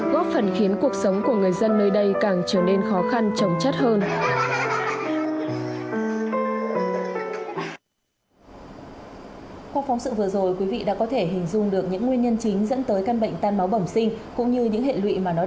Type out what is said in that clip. góp phần khiến cuộc sống của người dân nơi đây